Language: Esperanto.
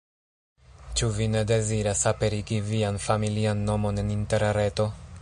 Ĉu vi ne deziras aperigi vian familian nomon en Interreto?